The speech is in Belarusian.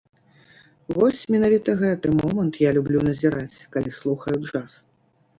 Вось менавіта гэты момант я люблю назіраць, калі слухаю джаз.